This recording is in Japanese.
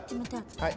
はい！